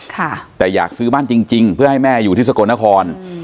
ค่ะแต่อยากซื้อบ้านจริงจริงเพื่อให้แม่อยู่ที่สกลนครอืม